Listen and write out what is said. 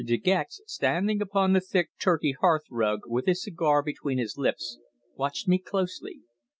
De Gex, standing upon the thick Turkey hearthrug with his cigar between his lips, watched me closely.